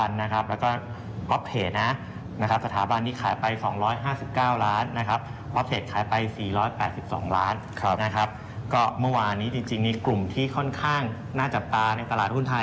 ๒ล้านนะครับก็เมื่อวานนี้จริงนี่กลุ่มที่ค่อนข้างหน้าจับปลาในตลาดหุ้นไทย